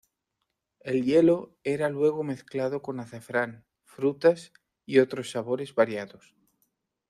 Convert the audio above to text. El hielo era luego mezclado con azafrán, frutas y otros sabores variados.